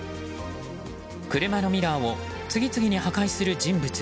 車のミラーを次々に破壊する人物。